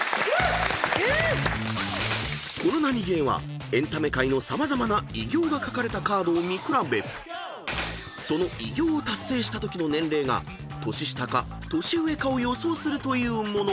［このナニゲーはエンタメ界の様々な偉業が書かれたカードを見比べその偉業を達成したときの年齢が年下か年上かを予想するというもの］